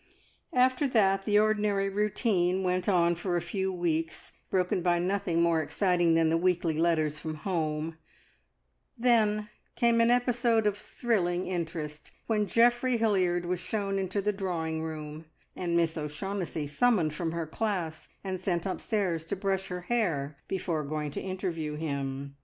After that the ordinary routine went on for a few weeks, broken by nothing more exciting than the weekly letters from home; then came an episode of thrilling interest, when Geoffrey Hilliard was shown into the drawing room, and Miss O'Shaughnessy summoned from her class and sent upstairs to brush her hair, before going to interview him.